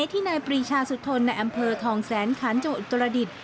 ที่นายปริชาสุทนในอำเภอทองแสนคันเจ้าอุตรดิษฐ์